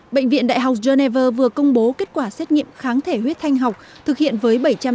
bệnh viện đại học geneva vừa công bố kết quả xét nghiệm kháng thể huyết thanh học thực hiện với